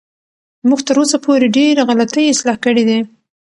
موږ تر اوسه پورې ډېرې غلطۍ اصلاح کړې دي.